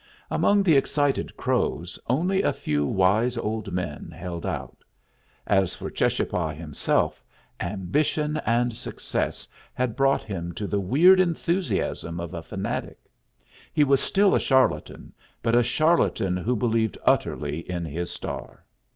Among the excited Crows only a few wise old men held out. As for Cheschapah himself, ambition and success had brought him to the weird enthusiasm of a fanatic. He was still a charlatan, but a charlatan who believed utterly in his star.